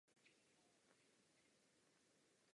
Dnešní příležitosti si proto vážím.